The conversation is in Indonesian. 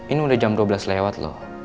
ini udah jam dua belas lewat loh